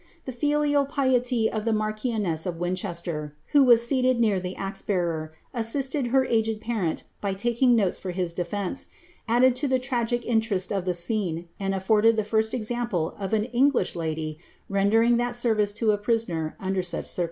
The filial e marchioness of Winchester, who was seen seated near the assisting her aged parent by taking notes for his defence,^ le tragic interest of the scene, and afforded the first 'example lish lady rendering that service to a prisoner under such cir« all.